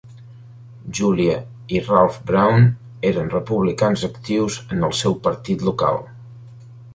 Julia i Ralph Brown eren republicans actius en el seu partit local.